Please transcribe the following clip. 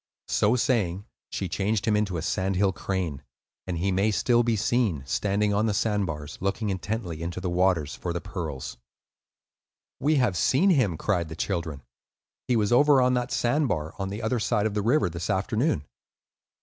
So saying, she changed him into a sand hill crane, and he may still be seen, standing on the sand bars, looking intently into the water for the pearls. "We have seen him," cried the children. "He was over on that sand bar, on the other side of the river, this afternoon."